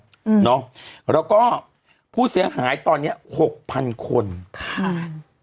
อืมเนอะแล้วก็ผู้เสียหายตอนเนี้ยหกพันคนค่ะ